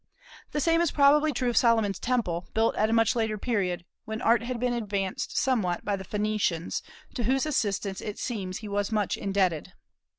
The same is probably true of Solomon's temple, built at a much later period, when Art had been advanced somewhat by the Phoenicians, to whose assistance it seems he was much indebted.